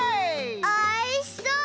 おいしそう！